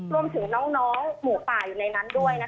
รวมถึงน้องหมูป่าอยู่ในนั้นด้วย